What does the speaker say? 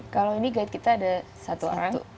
kalau ini guide kita ada satu kartu